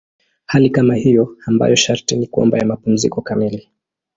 Hali kama hiyo ambayo sharti ni kwamba ya mapumziko kamili.